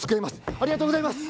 ありがとうございます！